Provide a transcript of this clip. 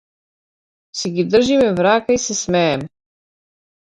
Си ги држиме в рака и се смееме.